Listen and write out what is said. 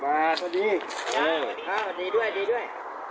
สวัสดีสวัสดีด้วยสวัสดีด้วย